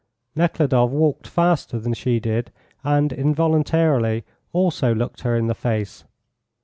Nekhludoff walked faster than she did and, involuntarily, also looked her in the face.